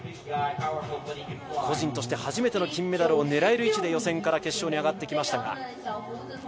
個人として初めての金メダルを狙える位置で予選から上がってきましたが。